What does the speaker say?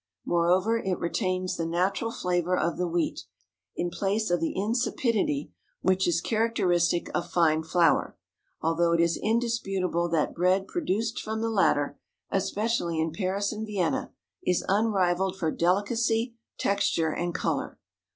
Moreover, it retains the natural flavour of the wheat, in place of the insipidity which is characteristic of fine flour, although it is indisputable that bread produced from the latter, especially in Paris and Vienna, is unrivalled for delicacy, texture, and colour.